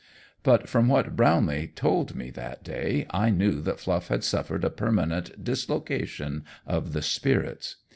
But from what Brownlee told me that day, I knew that Fluff had suffered a permanent dislocation of the spirits.